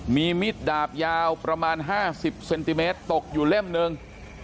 มีมิดดาบยาวประมาณ๕๐เซนติเมตรตกอยู่เล่มหนึ่ง